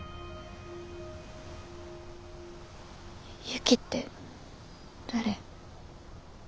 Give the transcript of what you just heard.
ユキって誰？